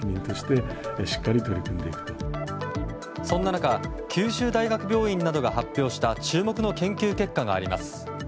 そんな中九州大学病院などが発表した注目の研究結果があります。